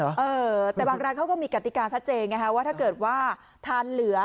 เออแต่บางร้านเขาก็มีกติกาชัดเจนไงฮะว่าถ้าเกิดว่าทานเหลือ